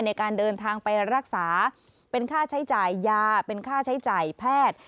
ในการเดินทางไปรักษาเป็นค่าใช้จ่ายยาเป็นค่าใช้จ่ายแพทย์